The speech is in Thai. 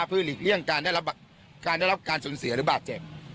เพื่อหลีกเลี่ยงการได้รับการสนเสียหรือบาดเจ็บ